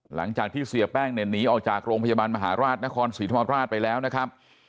หลังจากที่เสียแป้งเนี่ยหนีออกจากโรงพยาบาลมหาราชนครศรีธรรมราชไปแล้วนะครับ